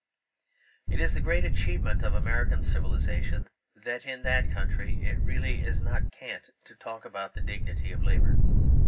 It is the great achievement of American civilisation that in that country it really is not cant to talk about the dignity of labour.